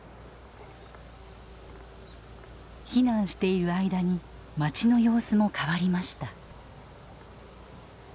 避難している間に町の様子も変わりました。